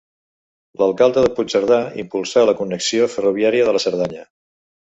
L'alcalde de Puigcerdà impulsà la connexió ferroviària de la Cerdanya.